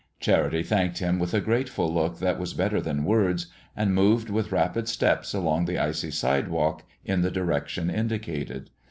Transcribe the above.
Charity thanked him with a grateful look that was better than words, and moved with rapid steps along the icy sidewalk in the direction indicated.